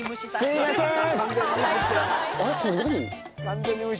すいません！